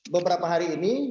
beberapa hari ini